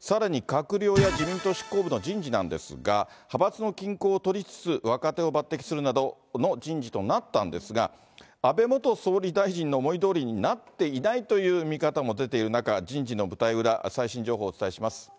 さらに、閣僚や自民党執行部の人事なんですが、派閥の均衡を取りつつ、若手を抜てきするなどの人事となったんですが、安倍元総理大臣の思いどおりになっていないという見方も出ている中、人事の舞台裏、最新情報をお伝えします。